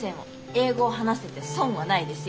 英語を話せて損はないですよ。